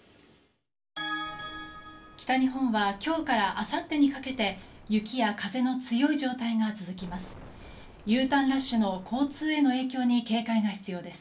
北日本は今日からあさってにかけて雪や風の強い状態が続きます。